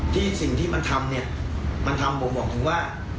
สิ่งที่สิ่งที่มันทำเนี่ยมันทำผมบอกถึงว่า